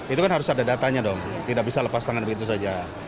itu kan harus ada datanya dong tidak bisa lepas tangan begitu saja